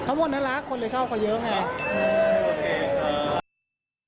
เค้าบอกน่ารักคนคนน่ะชอบเค้าเยอะไง